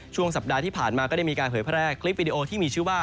ช่วงสัปดาห์ที่ผ่านมาก็ได้มีการเผยแพร่คลิปวิดีโอที่มีชื่อว่า